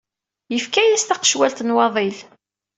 Yefka-as taqecwalt n waḍil.